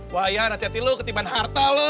wah iyan hati hati lo ketipan harta lo